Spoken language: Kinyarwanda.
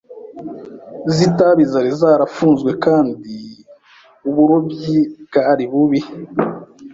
z'itabi zari zarafunzwe kandi uburobyi bwari bubi